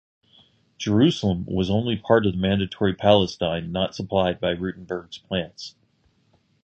Jerusalem was the only part of the Mandatory Palestine not supplied by Rutenberg's plants.